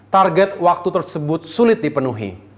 target waktu tersebut sulit dipenuhi